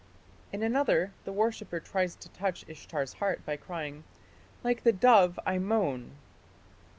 In another the worshipper tries to touch Ishtar's heart by crying, "Like the dove I moan".